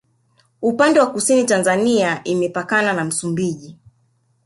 upande wa kusini tanzania imepakana na msumbiji